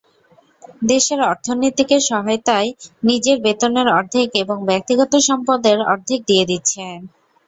দেশের অর্থনীতিকে সহায়তায় নিজের বেতনের অর্ধেক এবং ব্যক্তিগত সম্পদের অর্ধেক দিয়ে দিচ্ছেন।